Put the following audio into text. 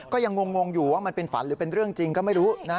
ก็ยังงงอยู่ว่ามันเป็นฝันหรือเป็นเรื่องจริงก็ไม่รู้นะ